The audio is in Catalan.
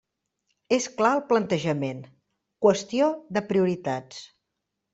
És clar el plantejament: qüestió de prioritats.